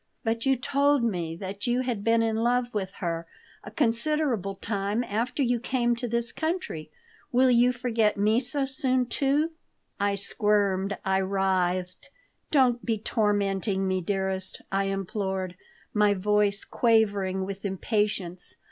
"But you told me that you had been in love with her a considerable time after you came to this country. Will you forget me so soon, too?" I squirmed, I writhed. "Don't be tormenting me, dearest," I implored, my voice quavering with impatience.